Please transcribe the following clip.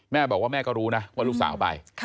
แม่บอกว่าแม่ก็รู้นะว่าลูกสาวไป